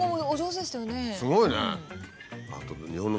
すごいね。